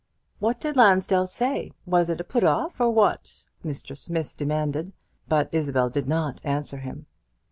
"What did Lansdell say? was it a put off, or what?" Mr. Smith demanded; but Isabel did not answer him.